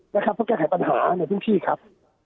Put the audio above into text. เพราะแก้ไขปัญหาในพื้นที่ครับ